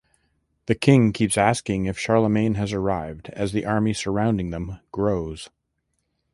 The kings keeps asking if Charlemagne has arrived as the army surrounding them grows.